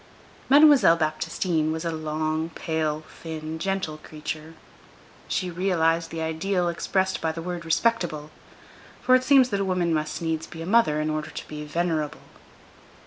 Mademoiselle Baptistine was a long, pale, thin, gentle creature; she realized the ideal expressed by the word "respectable"; for it seems that a woman must needs be a mother in order to be venerable.